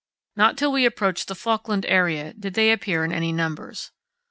Not till we approached the Falkland area did they appear in any numbers.